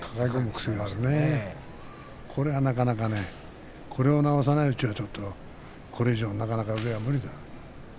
これは、なかなかこれを直さないうちはこれ以上、上は無理だよ。